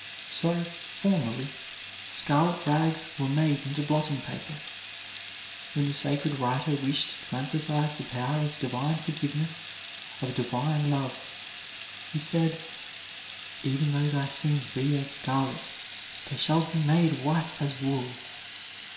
So, formerly, scarlet rags were made into blotting paper. When the sacred writer wished to emphasize the power of Divine forgiveness, of Divine love, he said: "Even though thy sins be as scarlet, they shall be made white as wool!"